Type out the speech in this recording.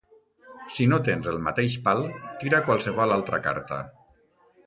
Si no tens el mateix pal, tira qualsevol altra carta.